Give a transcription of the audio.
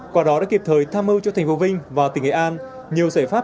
quả đó đã kịp thời tham mưu cho thành phố vinh và tỉnh nghệ an nhiều giải pháp